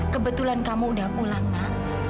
kebetulan kamu udah pulang nak